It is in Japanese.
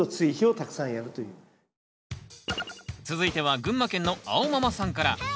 続いては群馬県のあおママさんから。